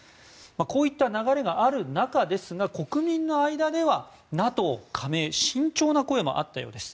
こういった流れがある中ですが国民の間ではＮＡＴＯ加盟慎重な声もあったようです。